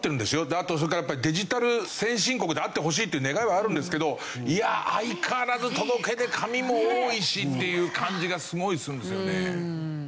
あとそれからやっぱりデジタル先進国であってほしいっていう願いはあるんですけど相変わらず届け出紙も多いしっていう感じがすごいするんですよね。